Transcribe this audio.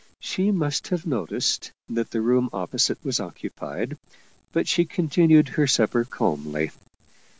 She must have noticed that the 42 Paul Heyse room opposite was occupied, but she continued her supper calmly.